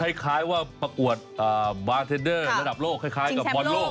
คล้ายว่าประกวดบาร์เทนเดอร์ระดับโลกคล้ายกับบอลโลก